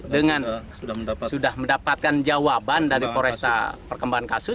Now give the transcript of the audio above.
dengan sudah mendapatkan jawaban dari pores kabupaten bekasi